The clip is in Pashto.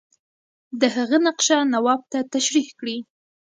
د هغه نقشه نواب ته تشریح کړي.